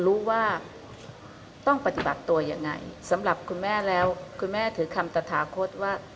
รู้ว่าต้องปฏิบัติตัวยังไงสำหรับคุณแม่แล้วคุณแม่ถือคำตะถาคตว่า